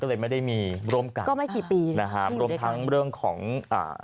ก็เลยไม่ได้มีร่วมกันก็ไม่กี่ปีนะฮะรวมทั้งเรื่องของอ่า